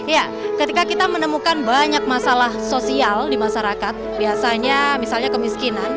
ya ketika kita menemukan banyak masalah sosial di masyarakat biasanya misalnya kemiskinan